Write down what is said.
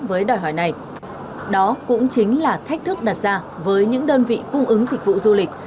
với đòi hỏi này đó cũng chính là thách thức đặt ra với những đơn vị cung ứng dịch vụ du lịch